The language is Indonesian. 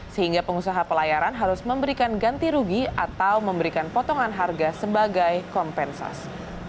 sehingga pengusaha pelayaran harus memberikan ganti rugi atau memberikan potongan harga sebagai kompensas